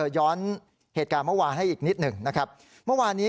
ย้อนเหตุการณ์เมื่อวานให้อีกนิดหนึ่งนะครับเมื่อวานนี้